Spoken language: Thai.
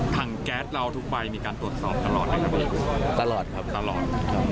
ทางแก๊สเราทุกไปมีการตรวจสอบตลอดหรือยังครับตลอดครับตลอด